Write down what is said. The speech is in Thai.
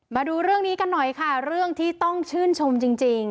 มาดูเรื่องนี้กันหน่อยค่ะเรื่องที่ต้องชื่นชมจริง